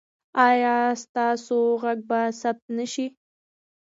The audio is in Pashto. ایا ستاسو غږ به ثبت نه شي؟